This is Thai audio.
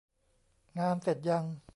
งานเสร็จยัง ?